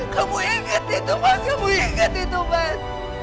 kamu inget itu mas kamu inget itu mas